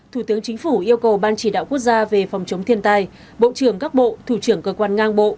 thủ tướng chính phủ yêu cầu ban chỉ đạo quốc gia về phòng chống thiên tai bộ trưởng các bộ thủ trưởng cơ quan ngang bộ